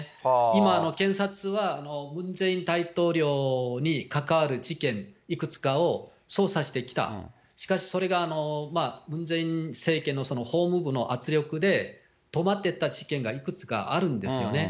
今、検察はムン・ジェイン大統領に関わる事件、いくつかを捜査してきた、しかしそれがムン・ジェイン政権の法務部の圧力で、止まってた事件がいくつかあるんですよね。